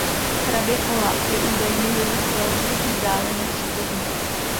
Hrabě Olaf je údajně jejich velmi vzdálený příbuzný.